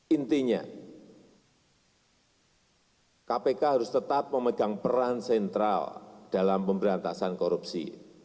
intinya kpk harus tetap memegang peran sentral dalam pemberantasan korupsi